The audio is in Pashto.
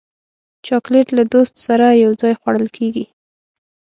چاکلېټ له دوست سره یو ځای خوړل کېږي.